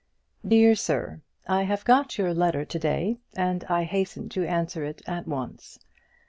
DEAR SIR, I have got your letter to day, and I hasten to answer it at once.